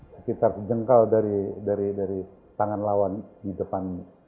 sekitar jengkal dari tangan lawan di depan